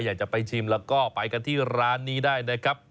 อยากจะไปชิมแล้วก็ไปกันที่ร้านนี้ได้นะครับ